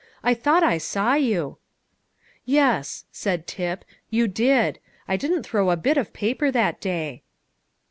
I thought I saw you." "Yes," said Tip, "you did. I didn't throw a bit of paper that day."